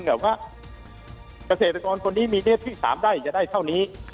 เกษตรกรคนนี้มีเนื้อที่๓ได้จะได้เท่านี้